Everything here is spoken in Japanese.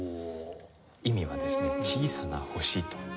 意味はですね「小さな星」と。